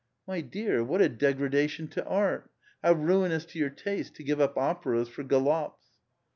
"My dear! What a degradation to art! How ruinous to your taste to give up operas for galops